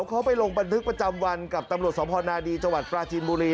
เขาไปลงบันทึกประจำวันกับตำรวจสพนาดีจังหวัดปราจีนบุรี